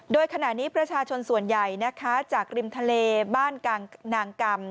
โดยขณะนี้ประชาชนส่วนใหญ่นะคะจากริมทะเลบ้านนางกรรม